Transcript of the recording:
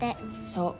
そう。